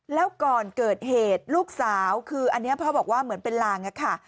แล้วก่อนเกิดเหตุลูกสาวคืออันนี้พ่อบอกว่าเหมือนเป็นลางอะค่ะ